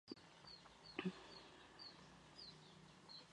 Estos vuelos de entrenamiento tienen lugar durante todo el año.